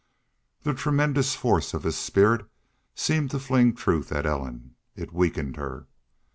The tremendous force of his spirit seemed to fling truth at Ellen. It weakened her.